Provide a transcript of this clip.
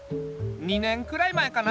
２年くらい前かな。